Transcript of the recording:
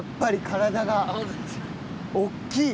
体が。大きい。